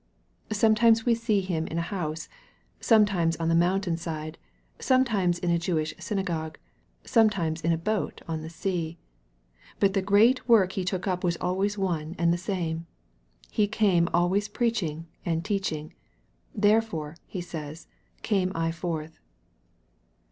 Sometimes we see Him in a house, sometimes on the mountain side, sometimes in a Jewish synagogue, sometimes in a boat on the sea. But the great work He took up was always one and the same. He came always preaching and teaching. " Therefore," He says, " came I forth."